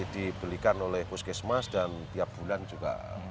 dibelikan oleh puskesmas dan tiap bulan juga